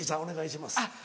お願いします。